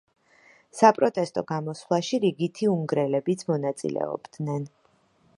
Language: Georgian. საპროტესტო გამოსვლაში რიგითი უნგრელებიც მონაწილეობდნენ.